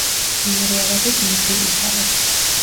მდინარე არაგვის მარჯვენა მხარეს.